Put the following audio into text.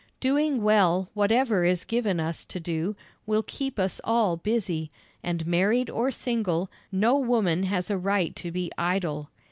Doing well whatever is given us to do will keep us all busy, and married or single, no woman has a right to be idle.